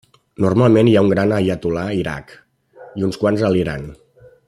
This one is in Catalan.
Normalment hi ha un gran aiatol·là a l'Iraq i uns quants a l'Iran.